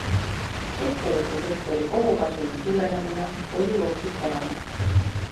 Ettevõtetesektori kogukasumi suurenemine oli ootuspärane.